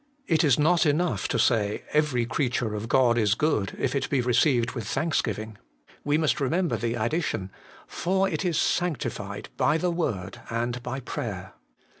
It is not enough to say, ' Every creature of God is good, if it be received with thanksgiving ;' we must remember the addition, 'for it is sanctified by the word and by prayer.'